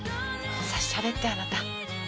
さあしゃべってあなた。